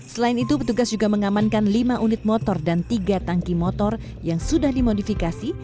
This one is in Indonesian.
selain itu petugas juga mengamankan lima unit motor dan tiga tangki motor yang sudah dimodifikasi